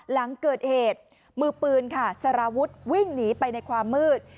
หลังเกิดเหตุมือปืนค่ะสารวุฒิวิ่งหนีไปในความมืด